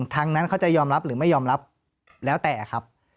ทั้งนั้นเขาจะยอมรับหรือไม่ยอมรับแล้วแต่ครับ